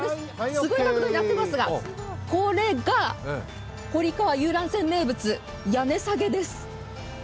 すごい角度になっていますが、これが堀川遊覧船名物、屋根下げです。